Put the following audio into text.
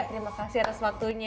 terima kasih atas waktunya